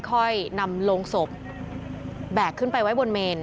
ค่อยนำโรงศพแบกขึ้นไปไว้บนเมน